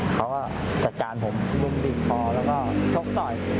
เขาก็จัดการผมรุมบีบคอแล้วก็ชกต่อย